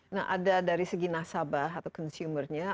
nah ada dari segi nasabah atau consumer nya